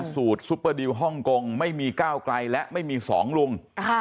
ซุปเปอร์ดิวฮ่องกงไม่มีก้าวไกลและไม่มีสองลุง